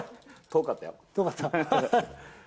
遠かったよ。